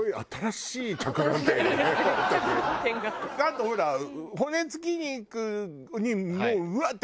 あとほら骨付き肉にもううわ！って